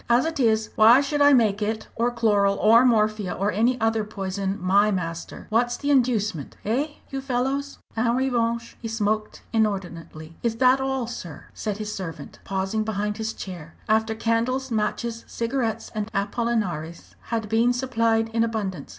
"As it is, why should I make it, or chloral, or morphia, or any other poison, my master! What's the inducement eh, you fellows?" En revanche he smoked inordinately. "Is that all, sir," said his servant, pausing behind his chair, after candles, matches, cigarettes, and Apollinaris had been supplied in abundance.